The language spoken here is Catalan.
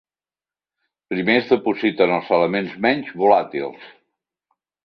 Primer es depositen els elements menys volàtils.